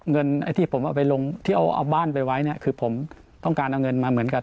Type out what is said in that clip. เงินไอ้ที่ผมเอาไปลงที่เอาบ้านไปไว้เนี่ยคือผมต้องการเอาเงินมาเหมือนกับ